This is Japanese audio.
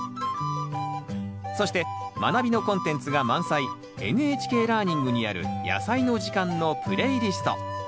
そして「まなび」のコンテンツが満載「ＮＨＫラーニング」にある「やさいの時間」のプレイリスト。